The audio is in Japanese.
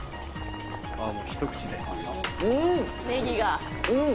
ああもう一口でうん！